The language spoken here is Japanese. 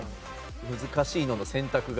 難しいのの選択が。